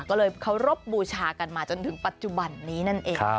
ก็เลยเคารพบูชากันมาจนถึงปัจจุบันนี้นั่นเอง